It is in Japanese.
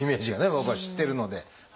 僕は知ってるので。